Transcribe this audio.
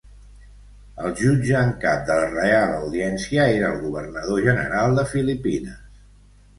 El jutge en cap de la Real Audiència era el governador general de Filipines.